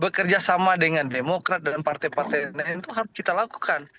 bekerja sama dengan demokrat dengan partai partai lain itu harus kita lakukan